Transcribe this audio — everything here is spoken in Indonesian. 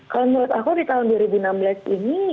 kalau menurut aku di tahun dua ribu enam belas ini